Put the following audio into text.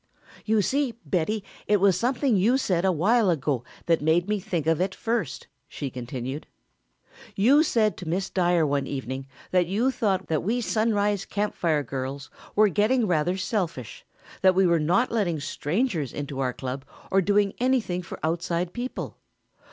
"You see, Betty, it was something you said a while ago that made me think of it first," she continued. "You said to Miss Dyer one evening that you thought we Sunrise Camp Fire girls were getting rather selfish, that we were not letting strangers into our club or doing anything for outside people.